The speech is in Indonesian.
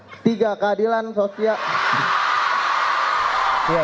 tiga keadilan sosial